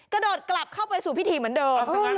กระโดดกลับเข้าไปสู่พิธีเหมือนเดิม